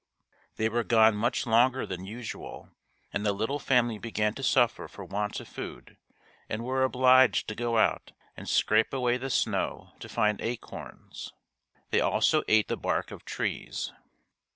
They were gone much longer than usual and the little family began to suffer for want of food and were obliged to go out and scrape away the snow to find acorns. They also ate the bark of trees.